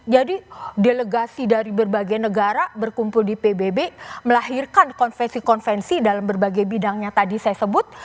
jadi delegasi dari berbagai negara berkumpul di pbb melahirkan konfesi konfesi dalam berbagai bidangnya tadi saya sebut